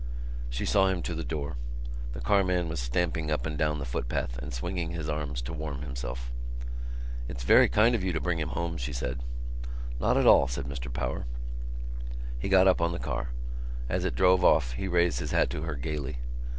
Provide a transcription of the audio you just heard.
She saw him to the door. The carman was stamping up and down the footpath, and swinging his arms to warm himself. "It's very kind of you to bring him home," she said. "Not at all," said Mr Power. He got up on the car. As it drove off he raised his hat to her gaily.